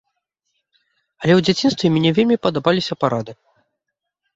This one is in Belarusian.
Але ў дзяцінстве мне вельмі падабаліся парады.